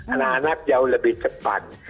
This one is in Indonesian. anak anak jauh lebih cepat